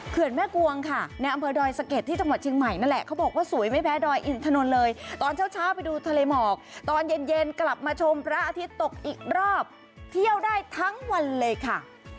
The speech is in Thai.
แม่กวงค่ะในอำเภอดอยสะเก็ดที่จังหวัดเชียงใหม่นั่นแหละเขาบอกว่าสวยไม่แพ้ดอยอินถนนเลยตอนเช้าไปดูทะเลหมอกตอนเย็นเย็นกลับมาชมพระอาทิตย์ตกอีกรอบเที่ยวได้ทั้งวันเลยค่ะ